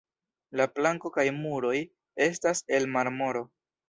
La planko kaj muroj estas el marmoro.